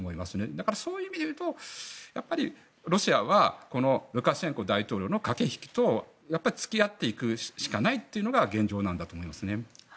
だから、そういう意味で言うとやっぱり、ロシアはルカシェンコ大統領の駆け引きと付き合っていくしかないというのが現状なんだと思います。